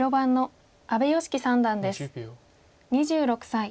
２６歳。